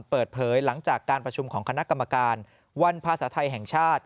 เปิดเผยหลังจากการประชุมของคณะกรรมการวันภาษาไทยแห่งชาติ